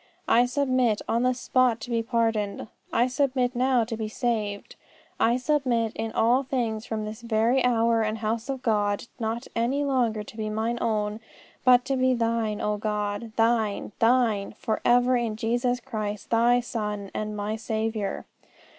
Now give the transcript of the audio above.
I submit on the spot to be pardoned. I submit now to be saved. I submit in all things from this very hour and house of God not any longer to be mine own, but to be Thine, O God, Thine, Thine, for ever, in Jesus Christ Thy Son and my Saviour!